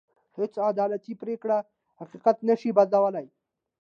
هېڅ عدالتي پرېکړه حقيقت نه شي بدلولی.